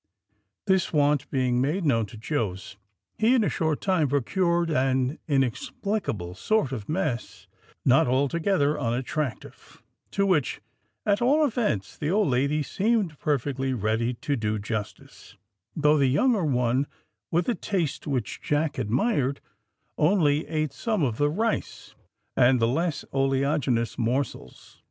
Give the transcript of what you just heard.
This want being made known to Jos, he in a short time procured an inexplicable sort of mess not altogether unattractive, to which, at all events, the old lady seemed perfectly ready to do justice, though the younger one, with a taste which Jack admired, only ate some of the rice, and the less oleaginous morsels.